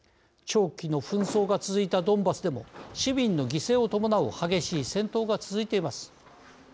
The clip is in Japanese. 長期の紛争が続いたドンバスでも市民の犠牲を伴う激しい戦闘が続いています。